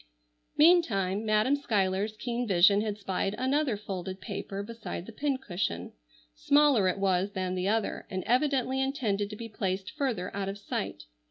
Meantime Madam Schuyler's keen vision had spied another folded paper beside the pincushion. Smaller it was than the other, and evidently intended to be placed further out of sight.